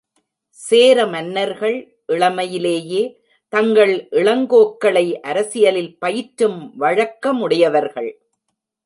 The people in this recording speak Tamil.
சேர மன்னர்கள் இளமையிலேயே தங்கள் இளங்கோக்களை அரசியலில் பயிற்றும் வழக்க முடையவர்கள்.